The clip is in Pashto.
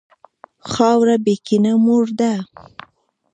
خاوره بېکینه مور ده.